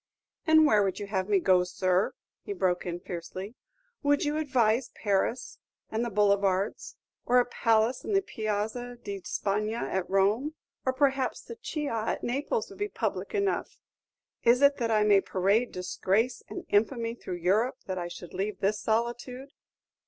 "And where would you have me go, sir?" he broke in, fiercely. "Would you advise Paris and the Boulevards, or a palace in the Piazza di Spagna at Rome; or perhaps the Chiaja at Naples would be public enough? Is it that I may parade disgrace and infamy through Europe that I should leave this solitude?"